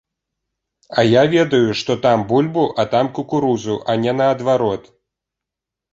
А я ведаю, што там бульбу, а там кукурузу, а не наадварот!